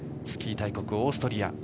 スキー大国オーストリア。